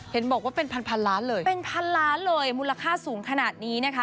เห็นบอกว่าเป็นพันล้านเลยมูลค่าสูงขนาดนี้นะคะ